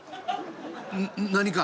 何か？」。